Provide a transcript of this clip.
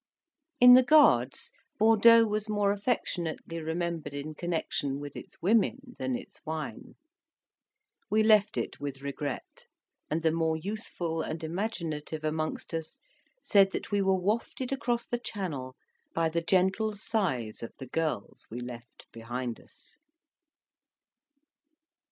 In the Guards, Bordeaux was more affectionately remembered in connexion with its women than its wine. We left it with regret, and the more youthful and imaginative amongst us said that we were wafted across the Channel by the gentle sighs of the girls we left behind us.